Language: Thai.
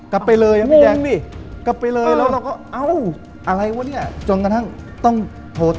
กลับไปเลยอะพี่แดโก